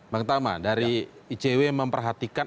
bang tama dari icw memperhatikan